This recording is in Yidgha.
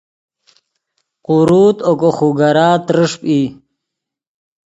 قوروت اوگو خوگرا ترݰپ ای